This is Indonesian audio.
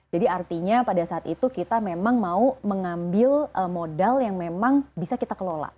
jadi artinya pada saat itu kita memang mau mengambil modal yang memang bisa kita kelola